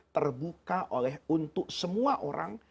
terbuka oleh untuk semua orang